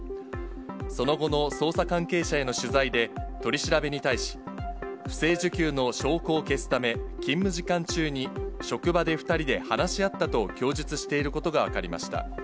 その後の捜査関係者への取材で、取り調べに対し、不正受給の証拠を消すため、勤務時間中に職場で２人で話し合ったと、供述していることが分かりました。